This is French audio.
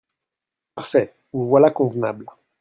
Parfait ! vous voilà convenable…